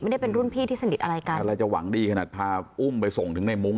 ได้เป็นรุ่นพี่ที่สนิทอะไรกันอะไรจะหวังดีขนาดพาอุ้มไปส่งถึงในมุ้ง